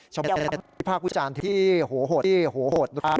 ชมพิพากษ์วิจารณ์ที่โหโหดที่โหโหด